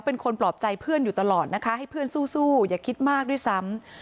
ปลอบใจเพื่อนอยู่ตลอดนะคะให้เพื่อนสู้อย่าคิดมากด้วยซ้ำ